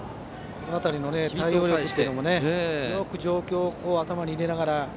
この辺りの対応力もよく状況を頭に入れながら。